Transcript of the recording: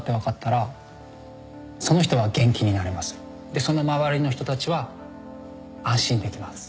でその周りの人たちは安心できます。